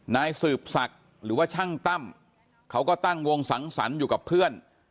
นายสืบศักดิ์หรือว่าช่างตั้มเขาก็ตั้งวงสังสรรค์อยู่กับเพื่อน